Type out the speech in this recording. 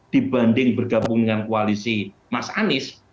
dibanding bergabung dengan koalisi mas anies